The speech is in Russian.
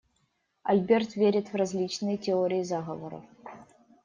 Альберт верит в различные теории заговоров.